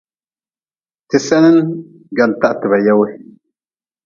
Ti senin gwantah ti ba ye wu.